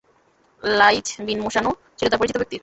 লাঈছ বিন মোশানও ছিল তার পরিচিত ব্যক্তি।